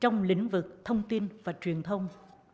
trong lĩnh vực thông tin và truyền thông